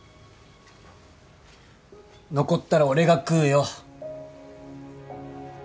残ったら俺が食うよ。